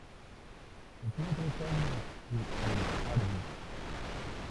Estuvo tres años en el Army.